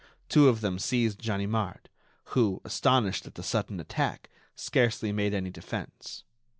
Two of them seized Ganimard, who, astonished at the sudden attack, scarcely made any defence.